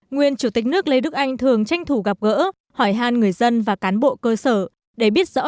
nguyên chủ tịch nước lê đức anh thường tranh thủ gặp gỡ hỏi hàn người dân và cán bộ cơ sở để biết rõ